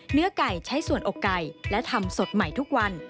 เนื้อไก่ใช้ส่วนอกไก่และทำสดใหม่ทุกวัน